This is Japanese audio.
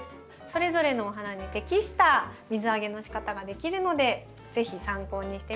それぞれのお花に適した水あげのしかたができるので是非参考にしてみて下さい。